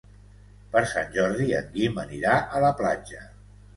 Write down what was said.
Per Sant Jordi en Guim anirà a la platja.